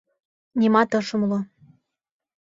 Нимат ыш умыло.